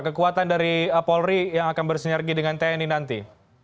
kekuatan dari polri yang akan bersinergi dengan tni nanti